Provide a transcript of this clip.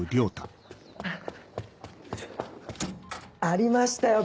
ありましたよ